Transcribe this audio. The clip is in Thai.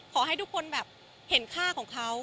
ขอให้ทุกคนแบบเห็นค่าของเขา